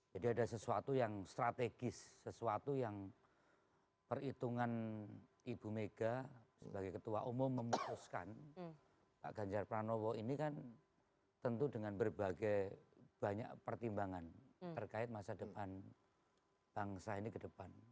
jadi ada sesuatu yang strategis sesuatu yang perhitungan ibu mega sebagai ketua umum memutuskan pak ganjar pranowo ini kan tentu dengan berbagai banyak pertimbangan terkait masa depan bangsa ini ke depan